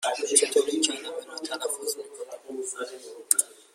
چطور این کلمه را تلفظ می کنی؟